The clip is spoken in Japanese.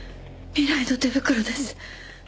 未来の手袋です。